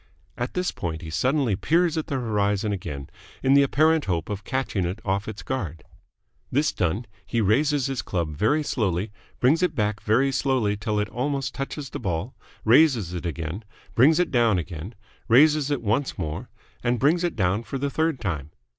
At this point he suddenly peers at the horizon again, in the apparent hope of catching it off its guard. This done, he raises his club very slowly, brings it back very slowly till it almost touches the ball, raises it again, brings it down again, raises it once more, and brings it down for the third time.